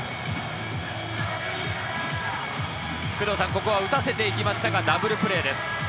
ここは打たせて行きましたがダブルプレーです。